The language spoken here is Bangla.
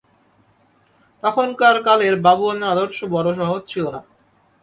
তখনকার কালের বাবুয়ানার আদর্শ বড়ো সহজ ছিল না।